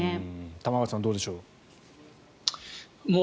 玉川さん、どうでしょう。